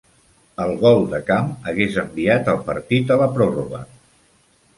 El gol de camp hagués enviat el partit a la pròrroga.